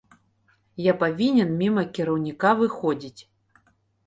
Я павінен міма кіраўніка выходзіць.